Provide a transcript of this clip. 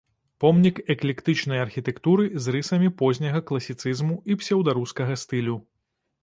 Помнік эклектычнай архітэктуры з рысамі позняга класіцызму і псеўдарускага стылю.